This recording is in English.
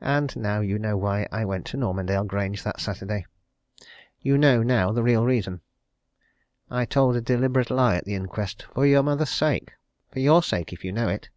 And now you know why I went to Normandale Grange that Saturday you know, now, the real reason. I told a deliberate lie at the inquest, for your mother's sake for your sake, if you know it.